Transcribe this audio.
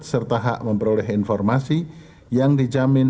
serta hak memperoleh informasi yang dijamin